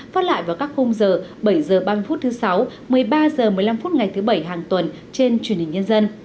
phát lại vào các khung giờ bảy h ba mươi phút thứ sáu một mươi ba h một mươi năm phút ngày thứ bảy hàng tuần trên truyền hình nhân dân